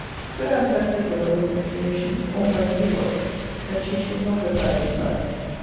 Could I have had hope of a reconciliation, all my view was, that she should not have had this man.